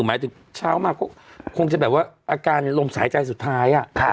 หมายถึงเช้ามาก็คงจะแบบว่าอาการลมสายใจสุดท้าย